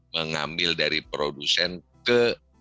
mengambil dari produsen ke